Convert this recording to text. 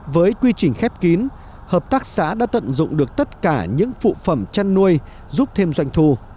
với quy trình khép kín hợp tác xã đã tận dụng được tất cả những phụ phẩm chăn nuôi giúp thêm doanh thu